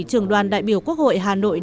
trường đoàn đại biểu quốc hội hà nội